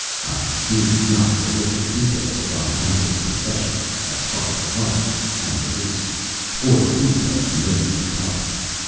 I need not go over the details of Von Kempelen's confession (as far as it went) and release, for these are familiar to the public.